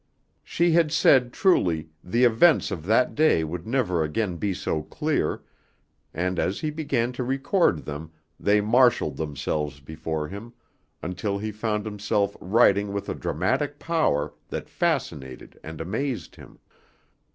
She had said truly, the events of that day would never again be so clear, and as he began to record them they marshaled themselves before him, until he found himself writing with a dramatic power that fascinated and amazed him.